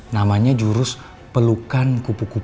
namanya jurus pelukan kupu kupu